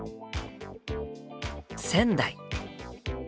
仙台。